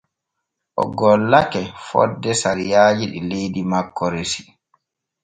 O gollake fonde sariyaaji ɗi leydi makko resi.